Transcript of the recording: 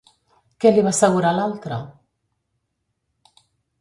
Què li va assegurar l'altre?